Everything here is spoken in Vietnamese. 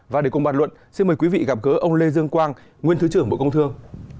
và để cùng bàn luận xin mời quý vị gặp gỡ ông lê dương quang nguyên thứ trưởng bộ công thương